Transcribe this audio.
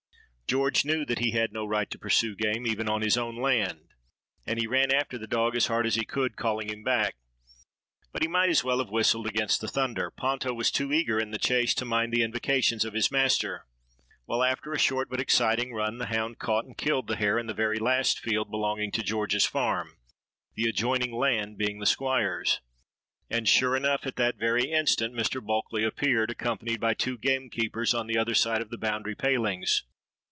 George knew that he had no right to pursue game even on his own land; and he ran after the dog as hard as he could, calling him back. But he might as well have whistled against the thunder: Ponto was too eager in the chase to mind the invocations of his master. Well, after a short but exciting run, the hound caught and killed the hare in the very last field belonging to George's farm, the adjoining land being the Squire's. And, sure enough, at that very instant Mr. Bulkeley appeared, accompanied by two gamekeepers, on the other side of the boundary palings.